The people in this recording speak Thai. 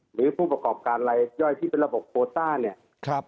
หรือผู้ประกอบการรายย่อยที่เป็นระบบโคต้าเนี่ย